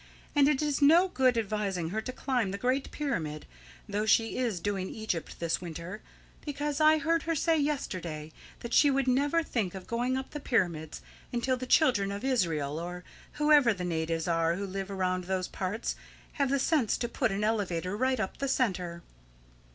And it is no good advising her to climb the Great Pyramid, though she is doing Egypt this winter, because I heard her say yesterday that she should never think of going up the pyramids until the children of Israel, or whoever the natives are who live around those parts, have the sense to put an elevator right up the centre."